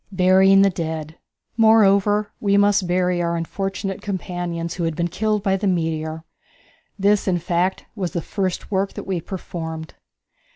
Burying the Dead. Moreover, we must bury our unfortunate companions who had been killed by the meteor. This, in fact, was the first work that we performed.